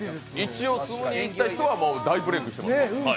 一応住むにいった人は大ブレークしてますよ。